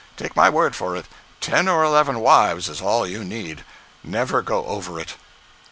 Take my word for it, ten or eleven wives is all you need—never go over it."